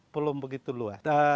belum begitu luas